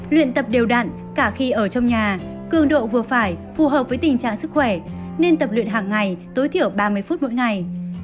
luyện tập đều đạn cả khi ở trong nhà cương độ vừa phải phù hợp với tình trạng sức khỏe nên tập luyện hàng ngày tối thiểu ba mươi phút mỗi ngày